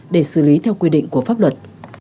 để xử lý theo quy định của pháp luật